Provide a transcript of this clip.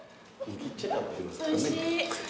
おいしい。